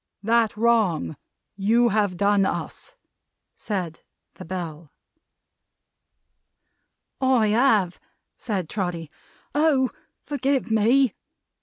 That wrong you have done us!" said the Bell. "I have!" said Trotty. "Oh, forgive me!"